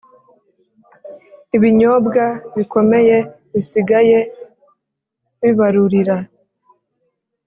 ibinyobwa bikomeye bisigaye bibarurira.